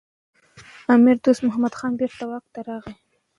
امیر دوست محمد خان بیرته واک ته راغی.